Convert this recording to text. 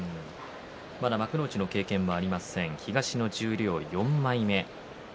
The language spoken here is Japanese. まだ幕内の経験はありません、東の十両４枚目。